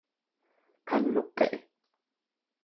kan luqqa'e.